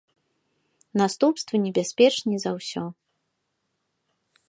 Наступствы небяспечней за ўсё.